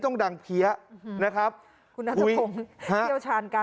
ต้องดังเผี้ย